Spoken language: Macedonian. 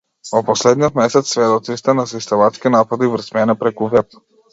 Во последниот месец сведоци сте на систематски напади врз мене преку веб.